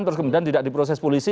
terus kemudian tidak diproses polisi